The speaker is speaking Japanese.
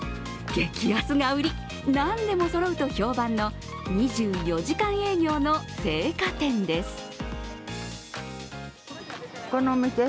激安が売り、何でもそろうと評判の２４時間営業の青果店です。